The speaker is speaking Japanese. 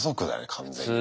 完全にね。